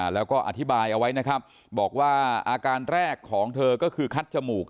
แล้วก็อธิบายเอาไว้นะครับบอกว่าอาการแรกของเธอก็คือคัดจมูก